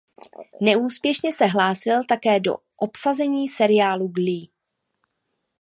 Neúspěšně se hlásil také do obsazení seriálu "Glee".